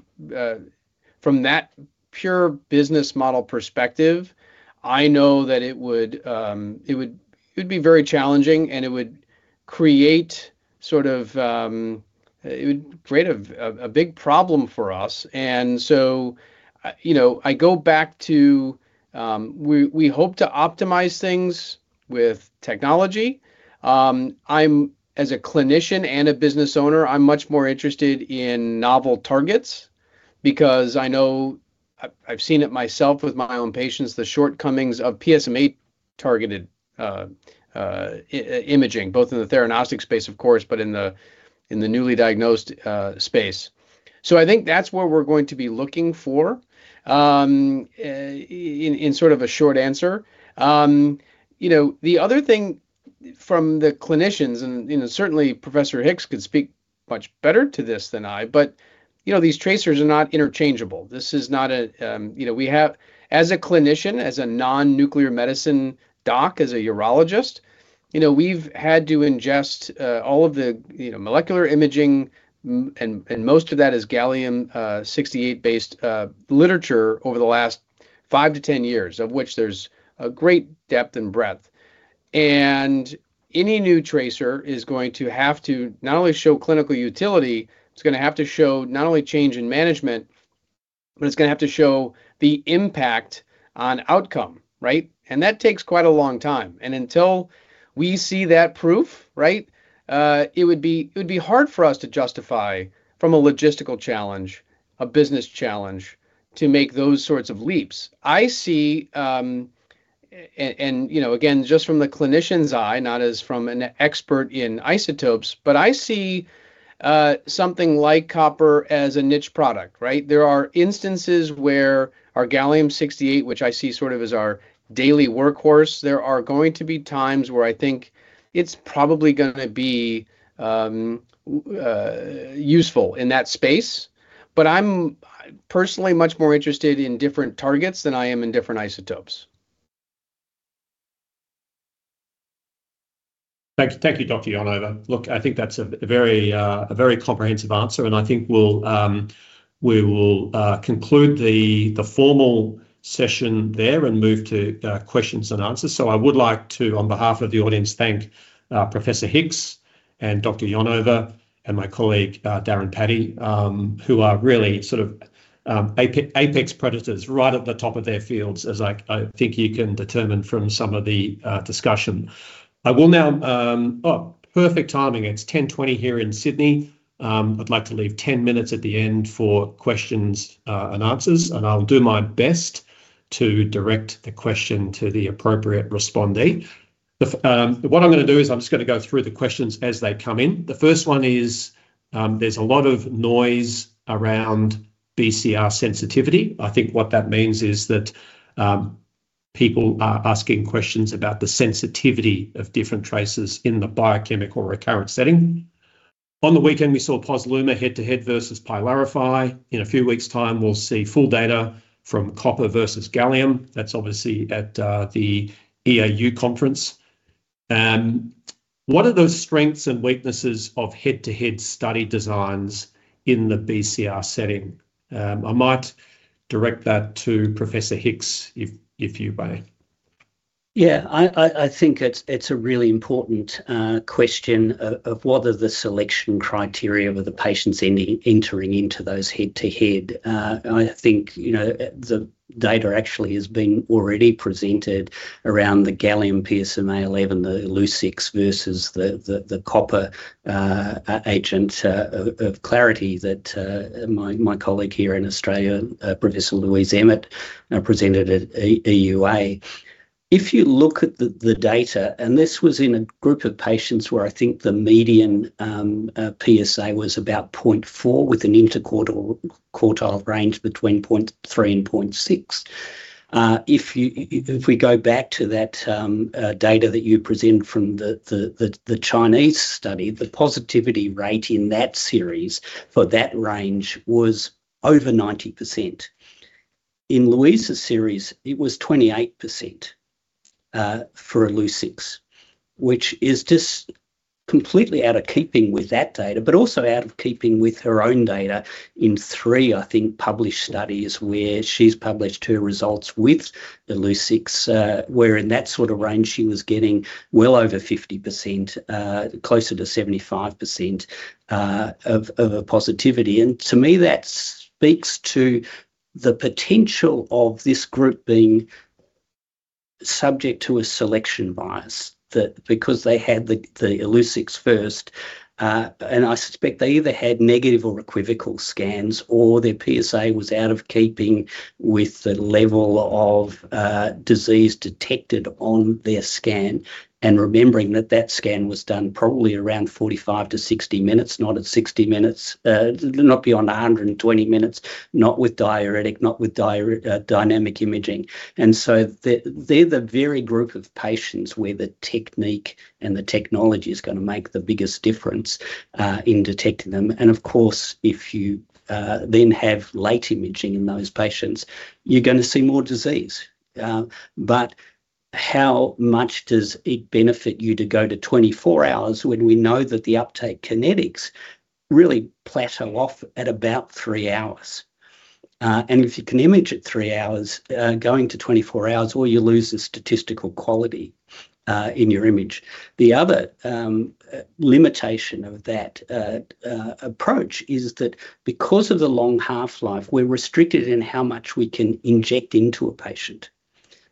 Speaker 4: from that pure business model perspective, I know that it would be very challenging, and it would create sort of, it would create a big problem for us. You know, I go back to, we hope to optimize things with technology. I'm as a clinician and a business owner, I'm much more interested in novel targets because I know I've seen it myself with my own patients, the shortcomings of PSMA-targeted imaging, both in the theranostic space, of course, but in the, in the newly diagnosed space. I think that's where we're going to be looking for in sort of a short answer. You know, the other thing from the clinicians and, you know, certainly Professor Hicks could speak much better to this than I, but, you know, these tracers are not interchangeable. This is not a, you know, we have as a clinician, as a non-nuclear medicine doc, as a urologist, you know, we've had to ingest all of the, you know, molecular imaging and most of that is gallium 68-based literature over the last five to 10 years, of which there's a great depth and breadth. Any new tracer is going to have to not only show clinical utility, it's gonna have to show not only change in management. It's gonna have to show the impact on outcome, right? That takes quite a long time. Until we see that proof, right, it would be, it would be hard for us to justify from a logistical challenge, a business challenge to make those sorts of leaps. I see, and, you know, again, just from the clinician's eye, not as from an expert in isotopes, but I see, something like copper as a niche product, right? There are instances where our gallium-68, which I see sort of as our daily workhorse, there are going to be times where I think it's probably gonna be useful in that space. I'm personally much more interested in different targets than I am in different isotopes.
Speaker 2: Thank you. Thank you, Dr. Yonover. Look, I think that's a very comprehensive answer, and I think we'll, we will conclude the formal session there and move to questions and answers. I would like to, on behalf of the audience, thank Professor Hicks and Dr. Yonover and my colleague, Darren Patti, who are really sort of apex predators right at the top of their fields as I think you can determine from some of the discussion. I will now... Oh, perfect timing. It's 10:20 A.M. here in Sydney. I'd like to leave 10 minutes at the end for questions and answers, and I'll do my best to direct the question to the appropriate respondee. What I'm gonna do is I'm just gonna go through the questions as they come in. The first one is, there's a lot of noise around BCR sensitivity. I think what that means is that people are asking questions about the sensitivity of different tracers in the biochemical recurrent setting. On the weekend, we saw Posluma head-to-head versus PYLARIFY. In a few weeks' time, we'll see full data from copper versus gallium. That's obviously at the EAU conference. What are those strengths and weaknesses of head-to-head study designs in the BCR setting? I might direct that to Professor Hicks if you may.
Speaker 3: Yeah. I think it's a really important question of what are the selection criteria of the patients entering into those head to head. I think, you know, the data actually has been already presented around the gallium PSMA-11, the Illuccix versus the copper agent of Clarity that my colleague here in Australia, Professor Louise Emmett, presented at EAU. If you look at the data, and this was in a group of patients where I think the median PSA was about 0.4 with an interquartile range between 0.3 and 0.6. If we go back to that data that you presented from the Chinese study, the positivity rate in that series for that range was over 90%. In Louise's series, it was 28% for Illuccix, which is just completely out of keeping with that data, but also out of keeping with her own data in three, I think, published studies where she's published her results with Illuccix, where in that sort of range she was getting well over 50%, closer to 75% of a positivity. To me, that speaks to the potential of this group being subject to a selection bias that because they had Illuccix first, and I suspect they either had negative or equivocal scans or their PSA was out of keeping with the level of disease detected on their scan. Remembering that scan was done probably around 45 to 60 minutes, not at 60 minutes, not beyond 120 minutes, not with diuretic, not with dynamic imaging. So they're the very group of patients where the technique and the technology is gonna make the biggest difference in detecting them. Of course, if you then have late imaging in those patients, you're gonna see more disease. But how much does it benefit you to go to 24 hours when we know that the uptake kinetics really plateau off at about three hours? And if you can image at three hours, going to 24 hours, well, you lose the statistical quality in your image. The other limitation of that approach is that because of the long half-life, we're restricted in how much we can inject into a patient.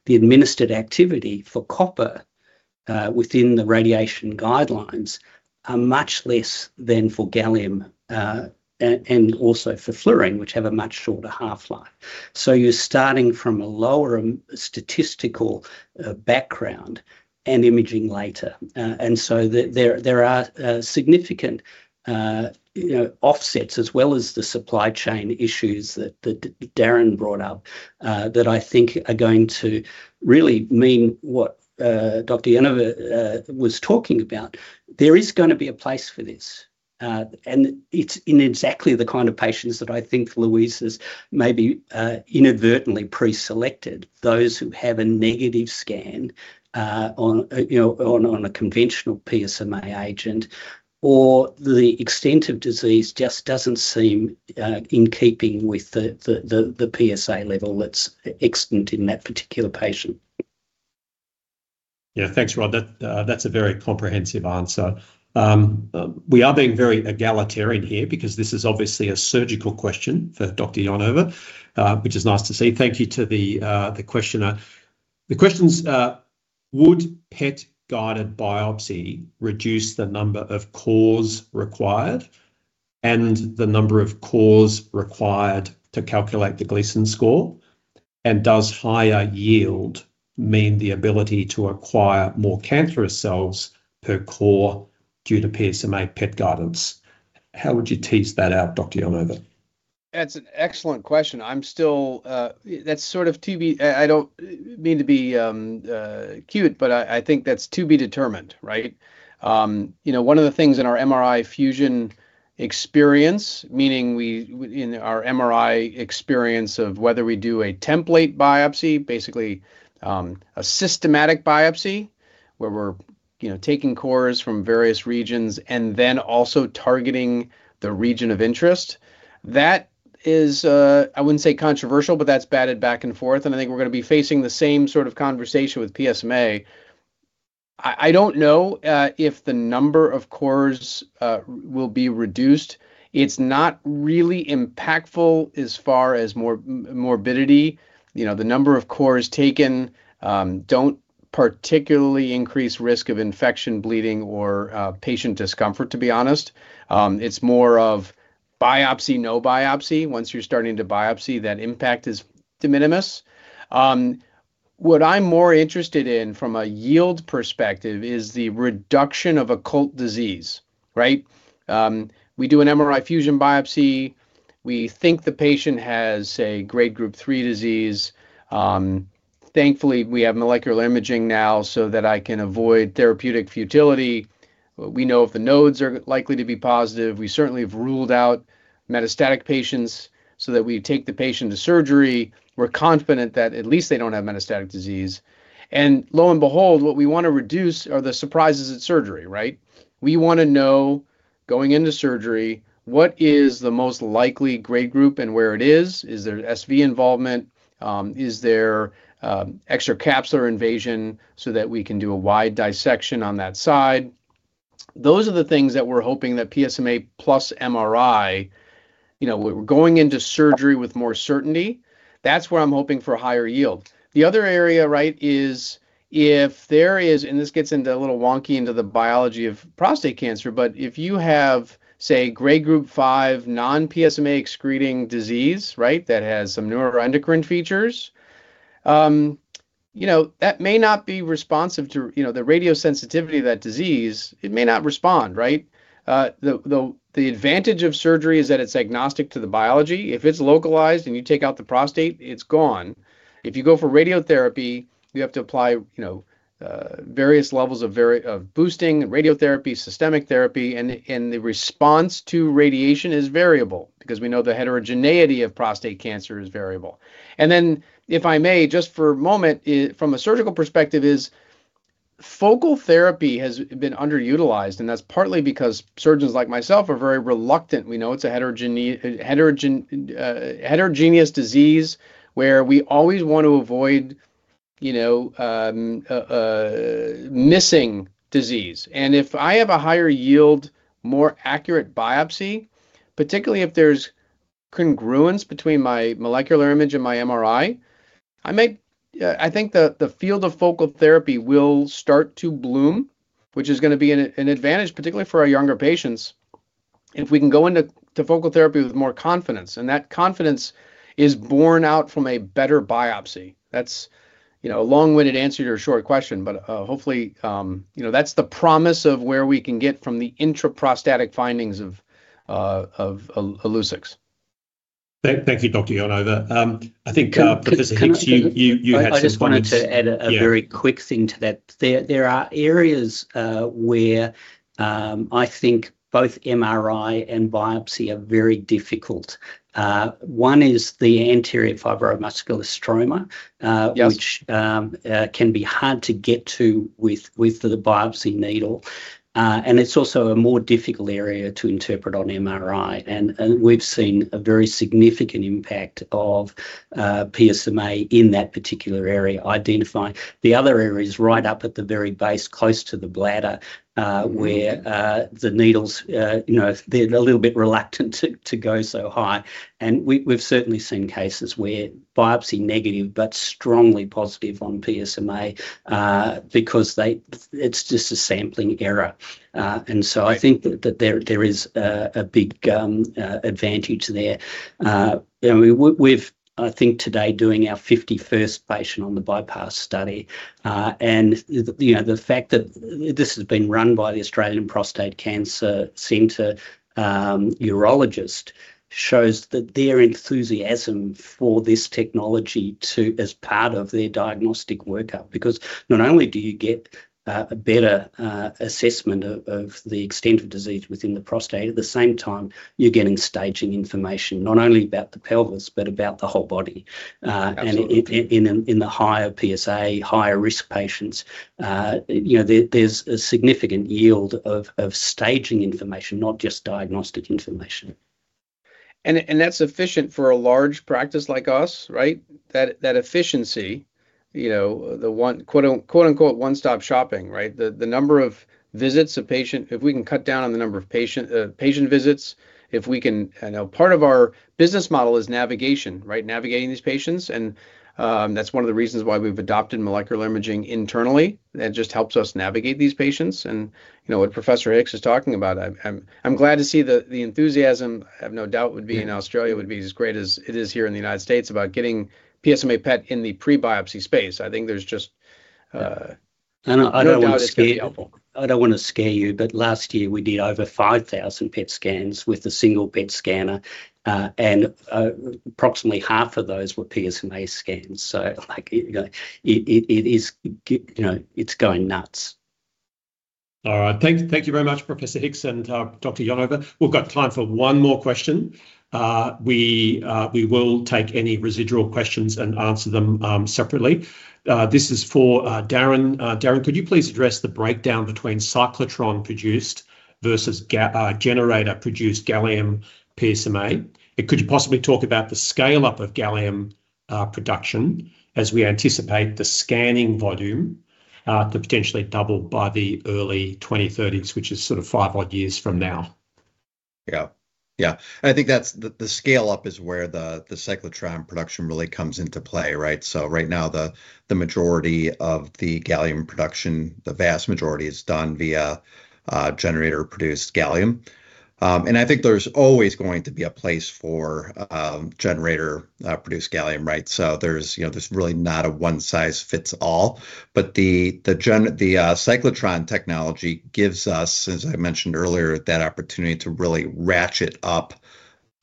Speaker 3: The administered activity for copper within the radiation guidelines are much less than for gallium and also for fluorine, which have a much shorter half-life. You're starting from a lower statistical background and imaging later. There are significant, you know, offsets as well as the supply chain issues that Darren brought up that I think are going to really mean what Dr. Yonover was talking about. There is gonna be a place for this, and it's in exactly the kind of patients that I think Louise has maybe, inadvertently preselected, those who have a negative scan, on a, you know, on a conventional PSMA agent, or the extent of disease just doesn't seem, in keeping with the PSA level that's extant in that particular patient.
Speaker 2: Yeah. Thanks, Rod. That, that's a very comprehensive answer. We are being very egalitarian here because this is obviously a surgical question for Dr. Yonover, which is nice to see. Thank you to the questioner. The question is, would PET-guided biopsy reduce the number of cores required and the number of cores required to calculate the Gleason score? Does higher yield mean the ability to acquire more cancerous cells per core due to PSMA PET guidance? How would you tease that out, Dr. Yonover?
Speaker 4: That's an excellent question. I'm still, that's sort of to be. I don't mean to be cute, but I think that's to be determined, right? You know, one of the things in our MRI fusion experience, meaning we in our MRI experience of whether we do a template biopsy, basically, a systematic biopsy where we're, you know, taking cores from various regions and then also targeting the region of interest. That is, I wouldn't say controversial, but that's batted back and forth and I think we're gonna be facing the same sort of conversation with PSMA. I don't know if the number of cores will be reduced. It's not really impactful as far as morbidity. You know, the number of cores taken, don't particularly increase risk of infection, bleeding or patient discomfort to be honest. It's more of biopsy, no biopsy. Once you're starting to biopsy, that impact is de minimis. What I'm more interested in from a yield perspective is the reduction of occult disease, right? We do an MRI fusion biopsy. We think the patient has a grade group 3 disease. Thankfully, we have molecular imaging now so that I can avoid therapeutic futility. We know if the nodes are likely to be positive. We certainly have ruled out metastatic patients so that we take the patient to surgery. We're confident that at least they don't have metastatic disease. Lo and behold, what we wanna reduce are the surprises at surgery, right? We wanna know going into surgery what is the most likely grade group and where it is. Is there SV involvement? Is there extracapsular invasion so that we can do a wide dissection on that side? Those are the things that we're hoping that PSMA plus MRI, you know, we're going into surgery with more certainty. That's where I'm hoping for a higher yield. The other area, right, is if there is, and this gets into a little wonky into the biology of prostate cancer, but if you have, say, grade group five non-PSMA excreting disease, right, that has some neuroendocrine features, you know, that may not be responsive to, you know, the radio sensitivity of that disease. It may not respond, right? The advantage of surgery is that it's agnostic to the biology. If it's localized and you take out the prostate, it's gone. If you go for radiotherapy, you have to apply, you know, various levels of boosting, radiotherapy, systemic therapy and the response to radiation is variable because we know the heterogeneity of prostate cancer is variable. If I may, just for a moment, from a surgical perspective is focal therapy has been underutilized, and that's partly because surgeons like myself are very reluctant. We know it's a heterogeneous disease where we always want to avoid, you know, a missing disease. If I have a higher yield, more accurate biopsy, particularly if there's congruence between my molecular image and my MRI, I may, I think the field of focal therapy will start to bloom, which is gonna be an advantage particularly for our younger patients if we can go into focal therapy with more confidence, and that confidence is born out from a better biopsy. That's, you know, a long-winded answer to your short question. Hopefully, you know, that's the promise of where we can get from the intraprostatic findings of Illuccix.
Speaker 2: Thank you, Dr. Yonover. I think, Professor Hicks-
Speaker 3: Can I?
Speaker 2: You had some points.
Speaker 3: I just wanted to add a
Speaker 2: Yeah...
Speaker 3: quick thing to that. There are areas where I think both MRI and biopsy are very difficult. One is the anterior fibromuscular stroma.
Speaker 2: Yes...
Speaker 3: which can be hard to get to with the biopsy needle. It's also a more difficult area to interpret on MRI. We've seen a very significant impact of PSMA in that particular area, identifying the other areas right up at the very base close to the bladder.
Speaker 2: Mm-hmm...
Speaker 3: where the needles, you know, they're a little bit reluctant to go so high. We've certainly seen cases where biopsy negative but strongly positive on PSMA because it's just a sampling error. I think that there is a big advantage there. We've, I think today doing our 51st patient on the BYPASS study. The, you know, the fact that this has been run by the Australian Prostate Centre urologist shows that their enthusiasm for this technology too as part of their diagnostic workup. Not only do you get a better assessment of the extent of disease within the prostate, at the same time you're getting staging information not only about the pelvis but about the whole body.
Speaker 2: Absolutely...
Speaker 3: and in the higher PSA, higher risk patients, you know, there's a significant yield of staging information, not just diagnostic information.
Speaker 4: That's efficient for a large practice like us, right? Efficiency, you know, the one quote on, "one-stop shopping," right? The number of visits a patient. If we can cut down on the number of patient visits, if we can. I know part of our business model is navigation, right? Navigating these patients. That's one of the reasons why we've adopted molecular imaging internally, that just helps us navigate these patients. You know what Professor Hicks is talking about. I'm glad to see the enthusiasm, I have no doubt would be in Australia would be as great as it is here in the United States about getting PSMA PET in the pre-biopsy space. I think there's just no doubt it's gonna be helpful.
Speaker 3: I don't wanna scare you, but last year we did over 5,000 PET scans with a single PET scanner, and approximately half of those were PSMA scans. Like, you know, it's going nuts.
Speaker 2: All right. Thank you very much, Professor Hicks and Dr. Yonover. We've got time for one more question. We will take any residual questions and answer them separately. This is for Darren. Darren, could you please address the breakdown between cyclotron-produced versus generator-produced gallium PSMA? Could you possibly talk about the scale-up of gallium production as we anticipate the scanning volume to potentially double by the early 2030s, which is sort of five odd years from now?
Speaker 5: Yeah. Yeah. I think that's the scale-up is where the cyclotron production really comes into play, right? Right now the majority of the gallium production, the vast majority is done via generator-produced gallium. I think there's always going to be a place for generator produced gallium, right? There's, you know, there's really not a one size fits all, but the cyclotron technology gives us, as I mentioned earlier, that opportunity to really ratchet up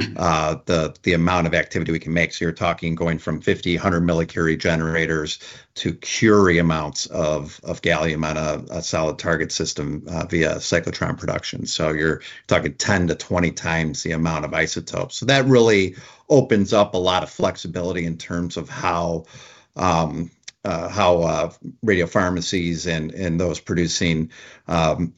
Speaker 5: the amount of activity we can make. You're talking going from 50, 100 millicurie generators to curie amounts of gallium on a solid target system via cyclotron production. You're talking 10 to 20x the amount of isotopes. That really opens up a lot of flexibility in terms of how radio pharmacies and those producing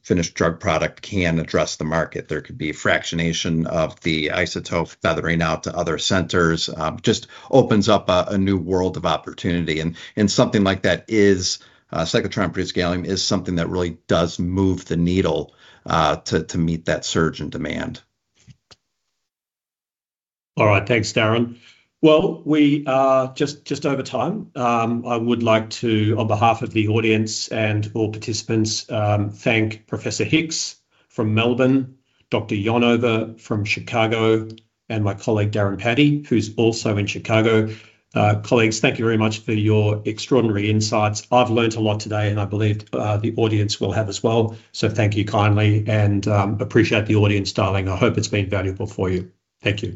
Speaker 5: finished drug product can address the market. There could be fractionation of the isotope feathering out to other centers, just opens up a new world of opportunity and something like that is cyclotron-produced gallium is something that really does move the needle to meet that surge in demand.
Speaker 2: All right. Thanks, Darren. Well, we are just over time. I would like to, on behalf of the audience and all participants, thank Professor Hicks from Melbourne, Dr. Yonover from Chicago, and my colleague Darren Patti, who's also in Chicago. Colleagues, thank you very much for your extraordinary insights. I've learned a lot today, and I believe the audience will have as well. Thank you kindly and appreciate the audience dialing. I hope it's been valuable for you. Thank you.